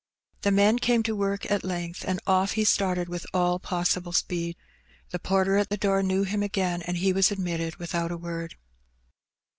The men came to work at length, and off he started with all possible speed. The porter at the door knew him again, and he was admitted without a word.